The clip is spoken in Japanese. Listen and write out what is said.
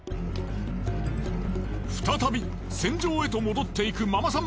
再び戦場へと戻っていくママさん